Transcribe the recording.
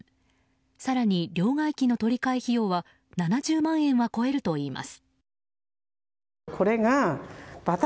更に、両替機の取り換え費用は７０万円は超えるといいます。